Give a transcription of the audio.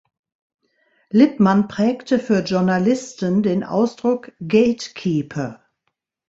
Lippmann prägte für Journalisten den Ausdruck "gatekeeper".